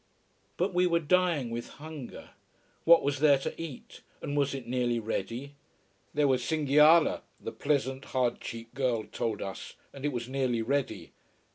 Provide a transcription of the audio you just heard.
But we were dying with hunger. What was there to eat? and was it nearly ready? There was cinghiale, the pleasant, hard cheeked girl told us, and it was nearly ready.